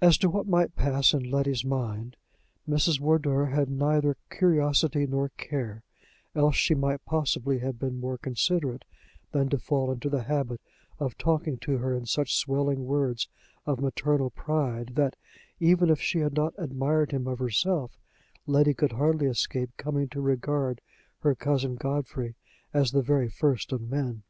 As to what might pass in Letty's mind, Mrs. Wardour had neither curiosity nor care: else she might possibly have been more considerate than to fall into the habit of talking to her in such swelling words of maternal pride that, even if she had not admired him of herself, Letty could hardly escape coming to regard her cousin Godfrey as the very first of men.